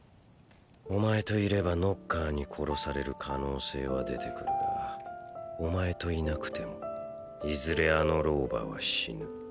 お前といればノッカーに殺される可能性は出てくるがお前といなくてもいずれあの老婆は死ぬ。